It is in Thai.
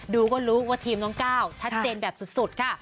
ดูก็รู้ว่าทีมน้องก้าวชัดเจนแบบสุดค่ะ